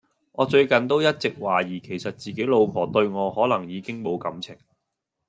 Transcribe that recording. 我最近都一直懷疑其實自己老婆對我可能已經無感情